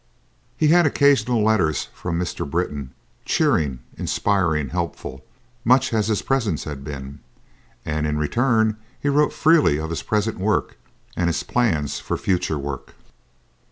He had occasional letters from Mr. Britton, cheering, inspiring, helpful, much as his presence had been, and in return he wrote freely of his present work and his plans for future work.